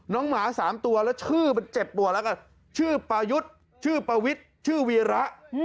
น้องหมาสามตัวแล้วชื่อมันเจ็บตัวแล้วก็ชื่อปายุทชื่อปวิทชื่อวีระ